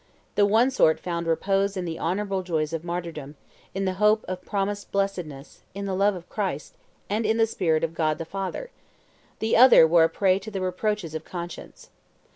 The one sort found repose in the honorable joys of martyrdom, in the hope of promised blessedness, in the love of Christ, and in the spirit of God the Father; the other were a prey to the reproaches of conscience.